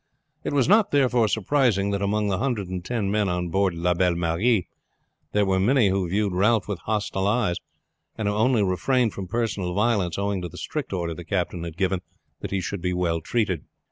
It was not therefore surprising that among the hundred and ten men on board La Belle Marie there were many who viewed Ralph with hostile eyes and who only refrained from personal violence owing to the strict order the captain had given that he should be well treated.